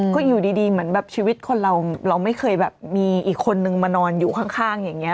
ก็อยู่ดีเหมือนแบบชีวิตคนเราไม่เคยแบบมีอีกคนนึงมานอนอยู่ข้างอย่างนี้